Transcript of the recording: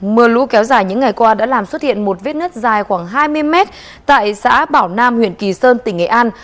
mưa lũ kéo dài những ngày qua đã làm xuất hiện một vết nứt dài khoảng hai mươi mét tại xã bảo nam huyện kỳ sơn tỉnh nghệ an